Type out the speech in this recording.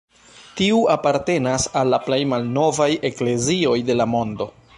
Tiu apartenas al la plej malnovaj eklezioj de la mondo.